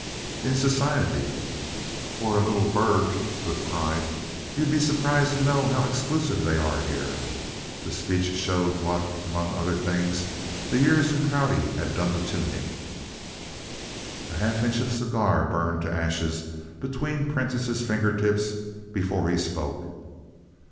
"In society. For a little burg," with pride, "you'd be surprised to know how exclusive they are here." The speech showed what, among other things, the years in Prouty had done to Toomey. A half inch of cigar burned to ashes between Prentiss's finger tips before he spoke.